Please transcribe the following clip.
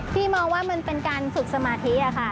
พี่มองว่ามันเป็นการฝึกสมาธิอะค่ะ